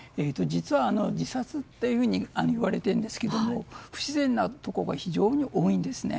実は、自殺っていうふうにいわれているんですが不自然なところが非常に多いんですね。